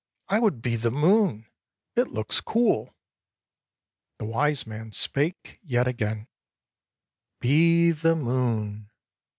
I would be the moon. It looks cool." The wise man spake yet again, "Be the moon."